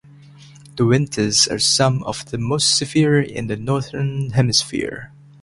The winters are some of the most severe in the Northern Hemisphere.